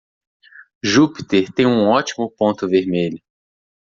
Jupiter tem um ótimo ponto vermelho.